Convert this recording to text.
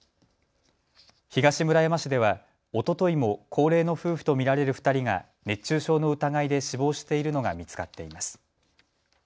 東村山市ではおとといも高齢の夫婦と見られる２人が熱中症の疑いで死亡しているのが見つかっています。